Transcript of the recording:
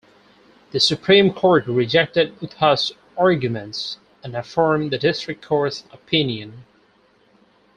The Supreme Court rejected Utah's arguments and affirmed the district court's opinion.